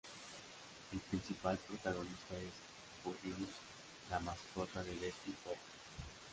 El principal protagonista es Pudgy, la mascota de Betty Boop.